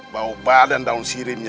bau badan daun sirihnya